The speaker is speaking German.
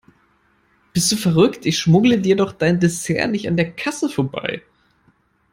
Bist du verrückt, ich schmuggle dir doch dein Dessert nicht an der Kasse vorbei.